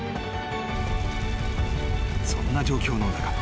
［そんな状況の中